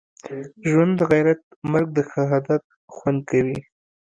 ژوند دغیرت مرګ دښهادت خوند کوی